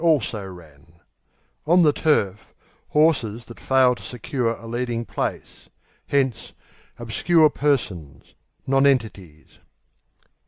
Also ran, the On the turf, horses that fail to secure a leading place; hence, obscure persons, nonentities.